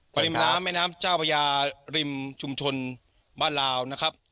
ริมน้ำแม่น้ำเจ้าพระยาริมชุมชนบ้านลาวนะครับ